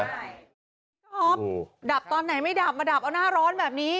ชอบดับตอนไหนไม่ดับมาดับเอาหน้าร้อนแบบนี้